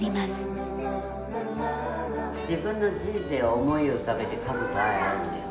自分の人生を思い浮かべて描く場合あるね。